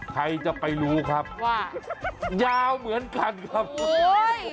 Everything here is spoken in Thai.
ใครจะไปรู้ครับว่ายาวเหมือนกันครับโอ้ย